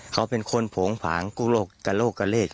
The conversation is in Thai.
เค้าเป็นคนโผงผังกระโลกะเลก